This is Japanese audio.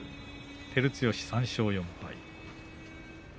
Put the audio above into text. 照強、３勝４敗。